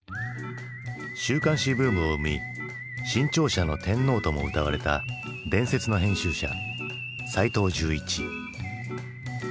週刊誌ブームを生み新潮社の天皇ともうたわれた伝説の編集者齋藤十一。